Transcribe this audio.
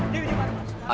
dewi di mana mas